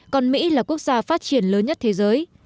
còn mỹ là quốc gia phát triển lớn nhất thế giới